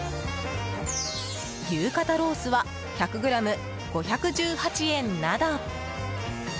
牛肩ロースは１００ｇ５１８円など。